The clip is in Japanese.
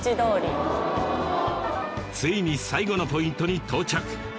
ついに最後のポイントに到着！